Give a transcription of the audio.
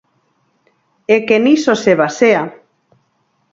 É que niso se basea.